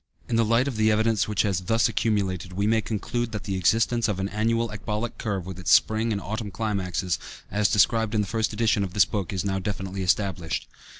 In the light of the evidence which has thus accumulated, we may conclude that the existence of an annual ecbolic curve, with its spring and autumn climaxes, as described in the first edition of this book, is now definitely established.